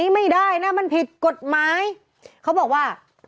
ไม่ตอบคำถามนะ